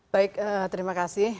baik terima kasih